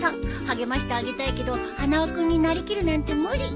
励ましてあげたいけど花輪君になりきるなんて無理。